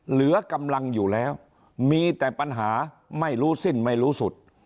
เหลือกำลังอยู่แล้วมีแต่ปัญหาไม่รู้สิ้นไม่รู้สุด